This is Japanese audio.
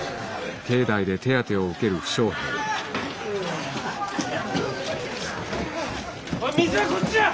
おい水はこっちだ！